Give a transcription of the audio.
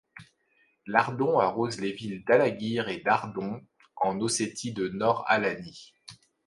L'Ardon arrose les villes d'Alaguir et d'Ardon, en Ossétie du Nord-Alanie.